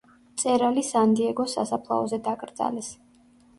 მწერალი სან-დიეგოს სასაფლაოზე დაკრძალეს.